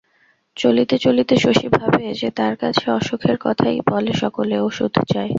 চলিতে চলিতে শশী ভাবে যে তার কাছে অসুখের কথাই বলে সকলে, ওষুধ চায়।